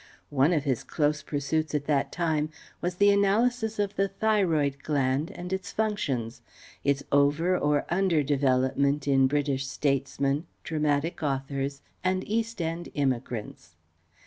One of his close pursuits at that time was the analysis of the Thyroid gland and its functions, its over or under development in British statesmen, dramatic authors and East End immigrants.